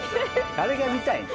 誰が見たいねん！